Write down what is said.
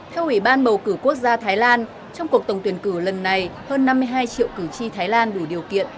theo ủy ban bầu cử quốc gia thái lan trong cuộc tổng tuyển cử lần này hơn năm mươi hai triệu cử tri thái lan đủ điều kiện